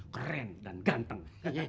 keren dan ganteng